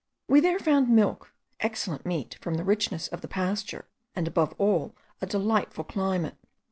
We there found milk, excellent meat from the richness of the pasture, and above all, a delightful climate.